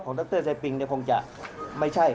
ขอบคุณพี่ด้วยนะครับ